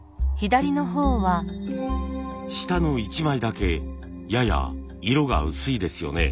下の１枚だけやや色が薄いですよね。